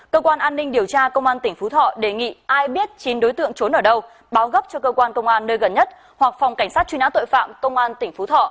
cơ quan an ninh điều tra công an tỉnh phú thọ đề nghị ai biết chín đối tượng trốn ở đâu báo gấp cho cơ quan công an nơi gần nhất